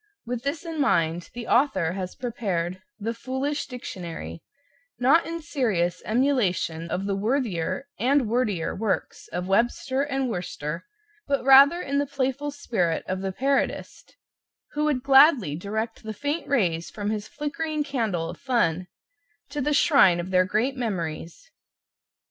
With this in mind, the author has prepared "The Foolish Dictionary," not in serious emulation of the worthier and wordier works of Webster and Worcester, but rather in the playful spirit of the parodist, who would gladly direct the faint rays from his flickering candle of fun to the shrine of their great memories.